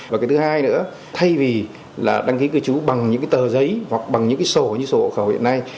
và thứ hai nữa thay vì đăng ký cư chú bằng những tờ giấy hoặc bằng những sổ như sổ hộ khẩu hiện nay